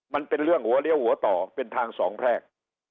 มันเป็นเรื่องหัวเลี้ยวหัวต่อเป็นทางสองแพรก